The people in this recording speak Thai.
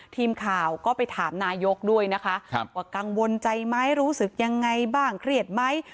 ทีมข่าวก็ไปถามนายกด้วยนะคะว่ากังวลใจไหมรู้สึกยังไงบ้างเครียดไหม